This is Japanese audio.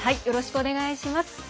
よろしくお願いします。